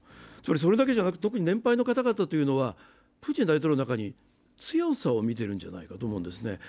それだけじゃなくて、特に年配の方はプーチン大統領の中に強さを見ているんじゃないかと思うんですね。